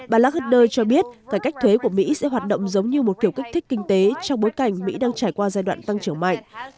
bà laguder cho biết cải cách thuế của mỹ sẽ hoạt động giống như một kiểu kích thích kinh tế trong bối cảnh mỹ đang trải qua giai đoạn tăng trưởng mạnh